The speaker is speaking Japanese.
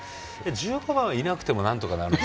１５番はいなくてもなんとかなる。